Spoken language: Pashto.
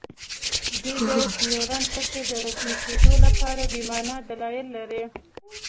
دوی د ډیورنډ کرښې د رسمي کیدو لپاره بې مانا دلایل لري